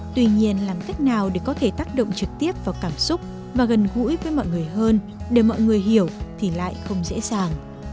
tuy nhiên làm cách nào để có thể tác động trực tiếp vào cảm xúc và gần gũi với mọi người hơn để mọi người hiểu thì lại không dễ dàng